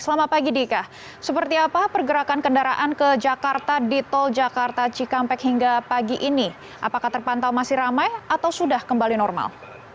selamat pagi dika seperti apa pergerakan kendaraan ke jakarta di tol jakarta cikampek hingga pagi ini apakah terpantau masih ramai atau sudah kembali normal